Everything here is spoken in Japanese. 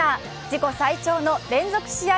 自己最長の連続試合